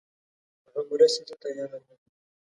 هغه مرستې ته تیار دی.